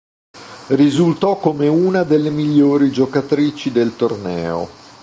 Risultò come una delle migliori giocatrici del torneo.